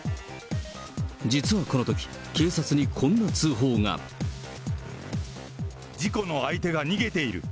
実はこのとき、警察にこんな通報事故の相手が逃げている。